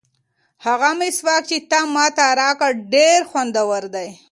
هغه مسواک چې تا ماته راکړ ډېر خوندور دی.